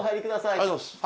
ありがとうございます。